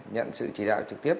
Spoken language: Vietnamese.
nhận sự chỉ đạo trực tiếp